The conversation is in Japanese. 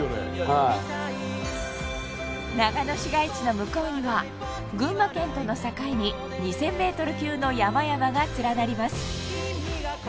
はい長野市街地の向こうには群馬県との境に２０００ｍ級の山々が連なります